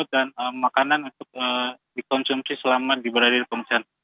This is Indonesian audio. dan makanan untuk dikonsumsi selamat diberadir pengungsian